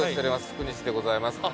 福西でございます。